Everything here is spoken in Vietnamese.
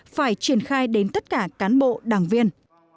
phải triển khai đến tất cả cán bộ đảng viên